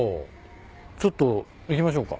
ちょっと行きましょうか。